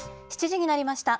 ７時になりました。